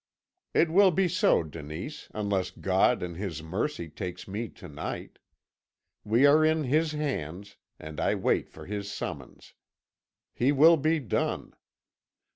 "'It will be so, Denise, unless God in His mercy takes me to night. We are in His hands, and I wait for His summons. His will be done!